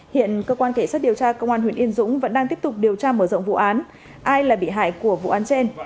hiện cơ quan kể sát điều tra công an huyện yên dũng vẫn đang tiếp tục điều tra mở rộng vụ án ai là bị hại của vụ án trên